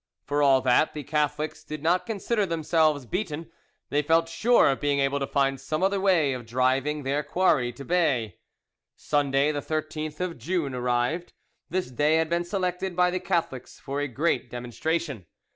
For all that, the Catholics did not consider themselves beaten; they felt sure of being able to find some other way of driving their quarry to bay. Sunday, the 13th of June, arrived. This day had been selected by the Catholics for a great demonstration.